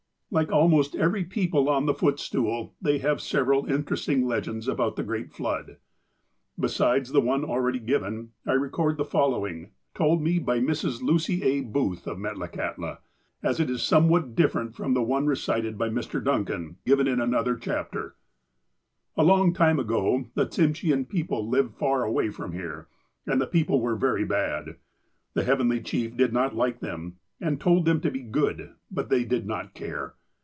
Like almost every people on the footstool, they have several interesting legends about the great flood. Besides the one already given, I record the following, told me by Mrs. Lucy A. Booth, of Metlakahtla, as it is somewhat different from the one recited by Mr. Duncan, given in another chapter :" A long time ago the Tsimshean people lived far away from here, and the people were very bad. The Heavenly Chief did not like them, and told them to be good, but they did not care.